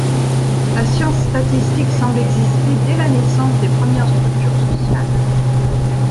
La science statistique semble exister dès la naissance des premières structures sociales.